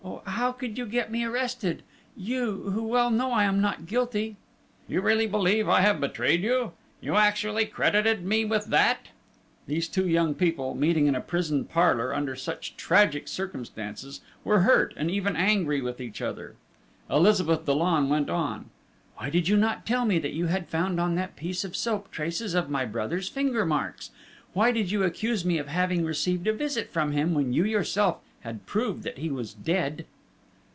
"Oh, how could you get me arrested? You, who well know I am not guilty?" "You really believe I have betrayed you? You actually credited me with that?" These two young people, meeting in a prison parlour under such tragic circumstances, were hurt and even angry with each other. Elizabeth Dollon went on: "Why did you not tell me that you had found on that piece of soap traces of my brother's finger marks? Why did you accuse me of having received a visit from him, when you yourself had proved that he was dead?"